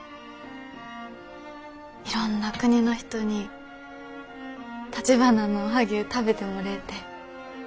いろんな国の人にたちばなのおはぎゅう食べてもれえてえ。